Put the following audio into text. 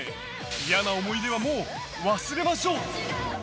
嫌な思い出はもう忘れましょう！